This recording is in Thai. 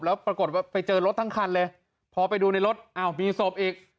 แล้วปรากฏว่าไปเจอรถทั้งคันเลยพอไปดูในรถอ้าวมีศพอีก